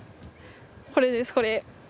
これですこれ。